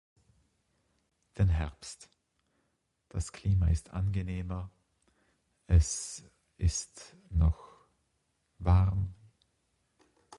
Den Herbst, das Klima ist angenehmer, es ist noch warm.